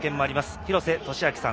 廣瀬俊朗さん